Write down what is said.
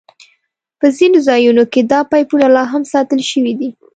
په ځینو ځایونو کې دا پایپونه لاهم ساتل شوي دي.